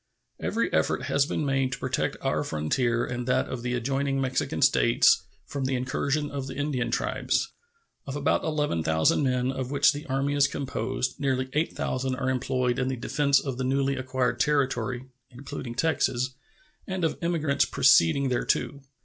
Every effort has been made to protect our frontier and that of the adjoining Mexican States from the incursions of the Indian tribes. Of about 11,000 men of which the Army is composed, nearly 8,000 are employed in the defense of the newly acquired territory (including Texas) and of emigrants proceeding thereto.